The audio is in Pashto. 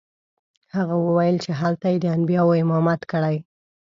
هغه وویل چې هلته یې د انبیاوو امامت کړی دی.